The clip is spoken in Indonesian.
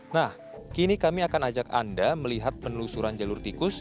nah kini kami akan ajak anda melihat penelusuran jalur tikus